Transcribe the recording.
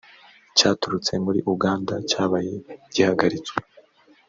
cyaturutse muri uganda cyabaye gihagaritswe